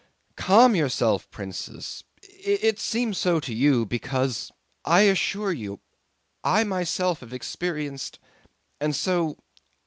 "Calm yourself, Princess! It seems so to you because.... I assure you I myself have experienced ... and so